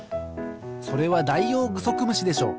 それはダイオウグソクムシでしょ。